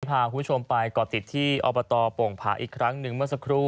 พาคุณผู้ชมไปก่อติดที่อบตโป่งผาอีกครั้งหนึ่งเมื่อสักครู่